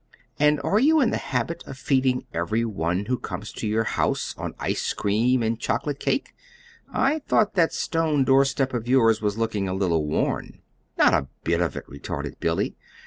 "And are you in the habit of feeding every one who comes to your house, on ice cream and chocolate cake? I thought that stone doorstep of yours was looking a little worn." "Not a bit of it," retorted Billy.